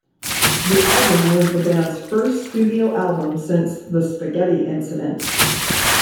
The album was the band's first studio album since The Spaghetti Incident?